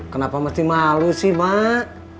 kenapa mesti malu sih mak